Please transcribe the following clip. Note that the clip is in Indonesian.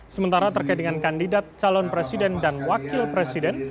sementara terkait dengan kandidat calon presiden dan wakil presiden